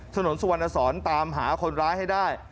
ถนนสุวรรณสอนตามหาคนร้ายให้ได้